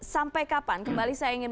sampai kapan kembali saya ingin